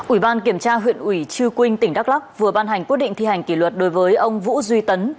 ủy ban kiểm tra huyện ủy chư quynh tỉnh đắk lắc vừa ban hành quyết định thi hành kỷ luật đối với ông vũ duy tấn